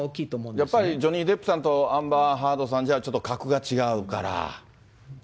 だからやっぱり、ジョニー・デップさんとアンバー・ハードさんじゃちょっと格が違うから。